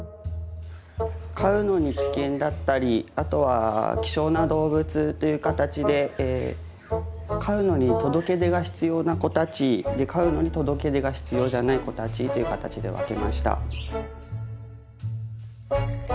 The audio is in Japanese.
飼うのに危険だったりあとは希少な動物という形で飼うのに届出が必要な子たち飼うのに届出が必要じゃない子たちという形で分けました。